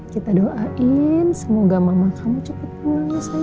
kita doain semoga mama kamu cepet pulang ya sayang